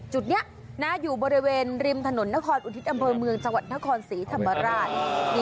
จุดนี้อยู่บริเวณริมถนนนครอุทิศอำเภอเมืองจังหวัดนครศรีธรรมราช